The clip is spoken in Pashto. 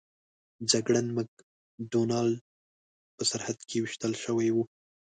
جګړن مک ډانلډ په سرحد کې ویشتل شوی و.